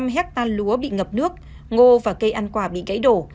một mươi tám năm hectare lúa bị ngập nước ngô và cây ăn quả bị gãy đổ